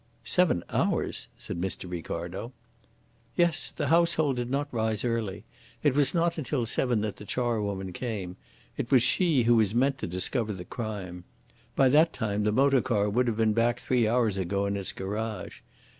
"Seven hours!" said Mr. Ricardo. "Yes. The household did not rise early. It was not until seven that the charwoman came. It was she who was meant to discover the crime. By that time the motor car would have been back three hours ago in its garage.